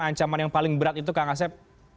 ancaman yang paling berat itu kak ngasep